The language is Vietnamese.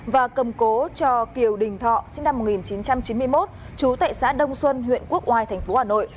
và cầm cố cho kiều đình thọ sinh năm một nghìn chín trăm chín mươi một chú tại xã đông xuân huyện quốc hoai thành phố hà nội